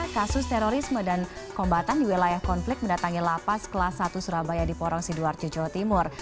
kasus terorisme dan kombatan di wilayah konflik mendatangi lapas kelas satu surabaya di porong sidoarjo jawa timur